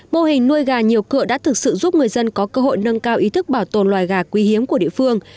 mô hình nuôi gà nhiều cựa đã thực sự giúp người dân có cơ hội nâng cao ý thức bảo tồn loài gà quý hiếm của địa phương